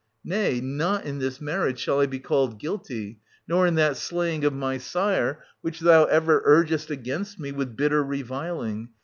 Nay, not in this marriage shall I be called guilty, nor in that slaying of my sire which thou ever urgest against me with bitter reviling.